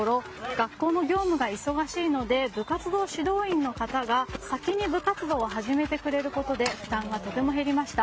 学校の業務が忙しいので部活動指導員の方が先に部活動を始めてくれることで負担がとても減りました。